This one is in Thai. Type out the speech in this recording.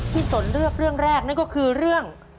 สนเลือกเรื่องแรกนั่นก็คือเรื่อง